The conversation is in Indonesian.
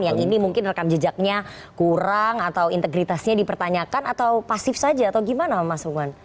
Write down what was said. yang ini mungkin rekam jejaknya kurang atau integritasnya dipertanyakan atau pasif saja atau gimana mas uman